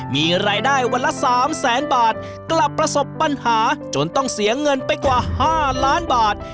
มีรายได้วันละ๓แสนบาทกลับประสบปัญหาจนต้องเสียเงินไปกว่า๕ล้านบาท